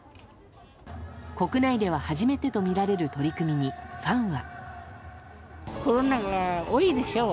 国内では初めてとみられる取り組みに、ファンは。